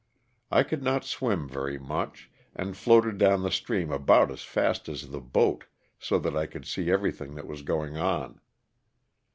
I could not swim very much ; and floated down the stream about as fast as the boat so that I could see everything that was going on.